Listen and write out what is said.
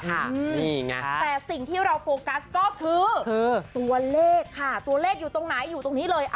นี่ไงแต่สิ่งที่เราโฟกัสก็คือตัวเลขค่ะตัวเลขอยู่ตรงไหนอยู่ตรงนี้เลย